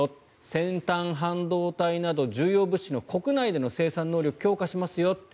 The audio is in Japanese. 先端半導体など重要物資の国内での生産能力強化しますよ。